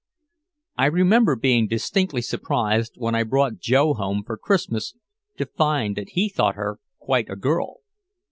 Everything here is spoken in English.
I remember being distinctly surprised when I brought Joe home for Christmas to find that he thought her quite a girl.